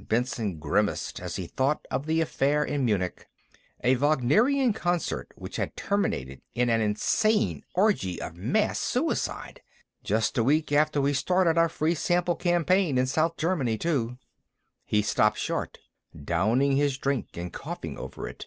Benson grimaced as he thought of the affair in Munich a Wagnerian concert which had terminated in an insane orgy of mass suicide. "Just a week after we started our free sample campaign in South Germany, too...." He stopped short, downing his drink and coughing over it.